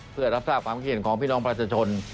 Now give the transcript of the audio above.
เพื่อารับสร้างความเข็มของพี่น้องประชชน